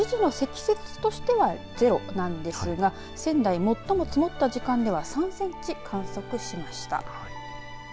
午後１時の積雪としては０なんですが仙台、最も積もった時間では３センチ、観測しました。